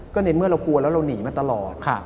ก็ในเมื่อเรากลัวแล้วเราหนีมาตลอด